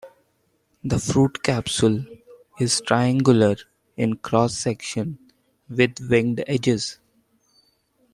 The fruit capsule is triangular in cross section with winged edges.